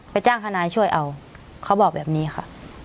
จ้างทนายช่วยเอาเขาบอกแบบนี้ค่ะ